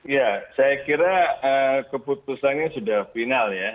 ya saya kira keputusannya sudah final ya